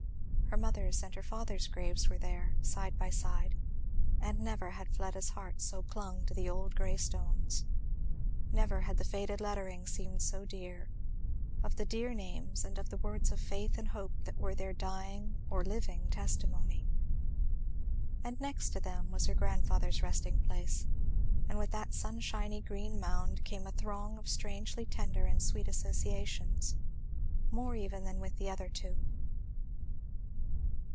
Her mother's and her father's graves were there, side by side; and never had Fleda's heart so clung to the old grey stones, never had the faded lettering seemed so dear, of the dear names and of the words of faith and hope that were their dying or living testimony. And next to them was her grandfather's resting place; and with that sunshiny green mound came a throng of strangely tender and sweet associations, more even than with the other two.